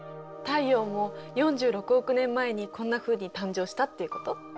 太陽も４６億年前にこんなふうに誕生したっていうこと？